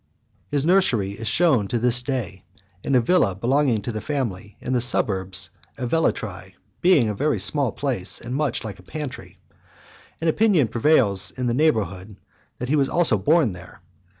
VI. His nursery is shewn to this day, in a villa belonging to the family, in the suburbs of Velitrae; being a very small place, and much like a pantry. An opinion prevails in the neighbourhood, that he was also born there.